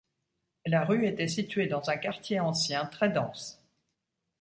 La rue était située dans un quartier ancien très dense.